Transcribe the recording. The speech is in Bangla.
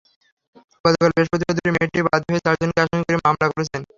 গতকাল বৃহস্পতিবার দুপুরে মেয়েটি বাদী হয়ে চারজনকে আসামি করে মামলা করেছেন।